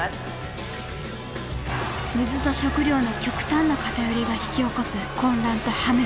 水と食料の極端な偏りが引き起こす混乱と破滅。